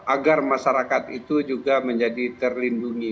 agar masyarakat itu juga menjadi terlindungi